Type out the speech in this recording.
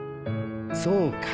そうか。